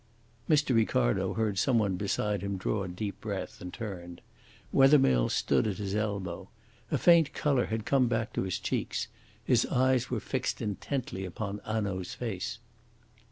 Mr. Ricardo heard some one beside him draw a deep breath, and turned. Wethermill stood at his elbow. A faint colour had come back to his cheeks, his eyes were fixed intently upon Hanaud's face.